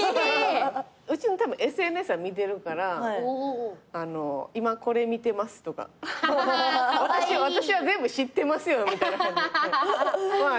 うちのたぶんＳＮＳは見てるから「今これ見てます」とか。私は全部知ってますよみたいな感じで連絡来るね。